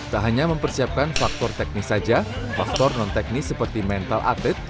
tak hanya mempersiapkan faktor teknis saja faktor non teknis seperti mental atlet